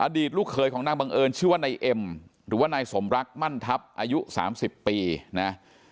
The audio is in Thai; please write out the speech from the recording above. ตลูกเขยของนางบังเอิญชื่อว่านายเอ็มหรือว่านายสมรักมั่นทัพอายุ๓๐ปีนะ